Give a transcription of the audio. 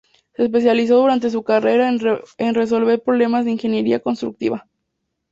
Se especializó durante su carrera en resolver problemas de ingeniería constructiva.